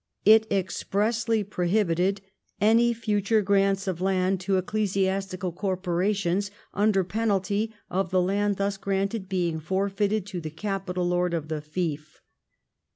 It expressly prohibited all future grants of land to ecclesiastical corporations, under penalty of the land thus granted becoming forfeited to the capital lord of the fief.